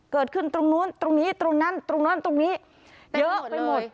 เกิดขึ้นตรงนู้นตรงนี้ตรงนั้นตรงนั้นตรงนี้เยอะไปหมด